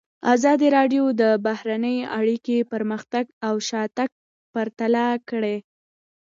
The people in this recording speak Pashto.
ازادي راډیو د بهرنۍ اړیکې پرمختګ او شاتګ پرتله کړی.